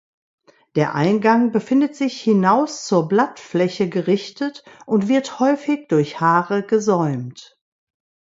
Der Eingang befindet sich hinaus zur Blattfläche gerichtet und wird häufig durch Haare gesäumt.